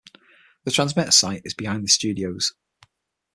The transmitter site is behind the studios.